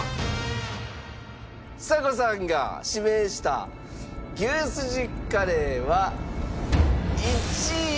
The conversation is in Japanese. ちさ子さんが指名した牛すじカレーは１位。